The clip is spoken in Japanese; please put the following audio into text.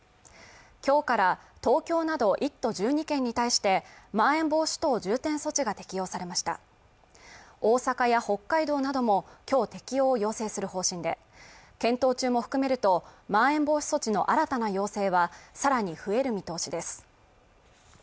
今日から東京など１都１２県に対してまん延防止等重点措置が適用されました大阪や北海道なども今日要請する方針で検討中も含めるとまん延防止措置の新たな要請はさらに増える見通しです